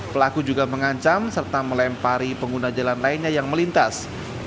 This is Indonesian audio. pelaku juga mengancam serta melempari pengguna jalan lainnya yang melintas